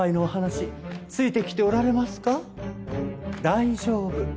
大丈夫。